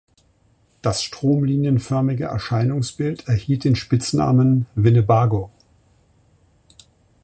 Das stromlinienförmige Erscheinungsbild erhielt den Spitznamen „Winnebago“.